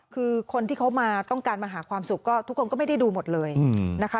คือคนที่เขามาต้องการมาหาความสุขก็ทุกคนก็ไม่ได้ดูหมดเลยนะคะ